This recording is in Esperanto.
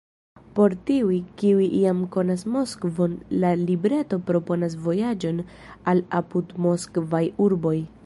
Por tiuj, kiuj jam konas Moskvon, la libreto proponas vojaĝon al apudmoskvaj urboj.